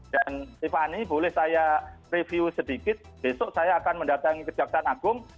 dan tiffany boleh saya review sedikit besok saya akan mendatangi ke jakarta agung